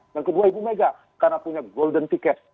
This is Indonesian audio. dan kedua ibu mega karena punya golden ticket